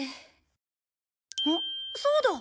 あっそうだ。